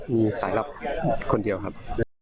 มีสายลับคนเดียวครับ